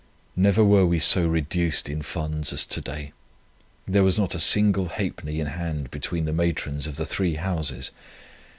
Never were we so reduced in funds as to day. There was not a single halfpenny in hand between the matrons of the three houses.